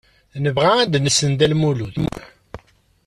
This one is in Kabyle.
Nebɣa ad nessen Dda Lmulud.